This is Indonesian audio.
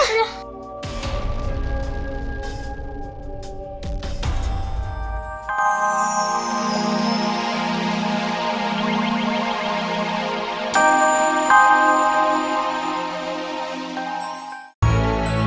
lagi pas jantap dipindah sini di rumah